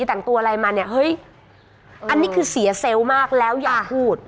แต่งตัวอะไรมาเนี่ยเฮ้ยอันนี้คือเสียเซลล์มากแล้วอย่าพูด